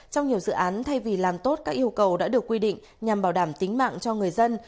trong nhiều dự án thay vì làm tốt các yêu cầu đã được quy định nhằm bảo đảm tính mạng cho người dân